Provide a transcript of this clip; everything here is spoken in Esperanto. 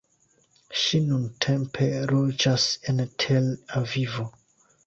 Ŝi nuntempe loĝas en Tel Avivo.